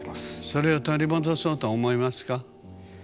それを取り戻そうと思いますか？